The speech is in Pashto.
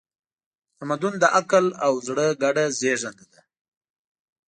تمدن د عقل او زړه ګډه زېږنده ده.